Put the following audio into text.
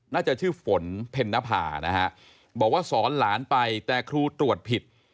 น่าจะชื่อฝนเพ็ญนภานะฮะบอกว่าสอนหลานไปแต่ครูตรวจผิด